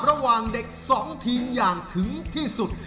ระหว่างเด็ก๒ทีมอย่างถึงที่สุด